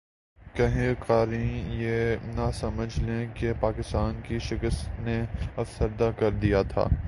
کہیں قارئین یہ نہ سمجھ لیں کہ پاکستان کی شکست نے افسردہ کردیا تھا